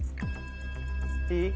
いい？